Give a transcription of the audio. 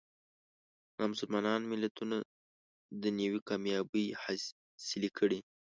نامسلمان ملتونه دنیوي کامیابۍ حاصلې کړي.